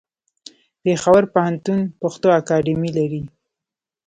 پېښور پوهنتون پښتو اکاډمي لري.